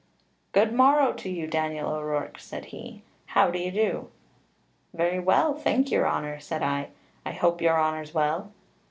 "'Good morrow to you, Daniel O'Rourke,' said he; 'how do you do?' 'Very well, thank your honour,' said I. 'I hope your honour's well.'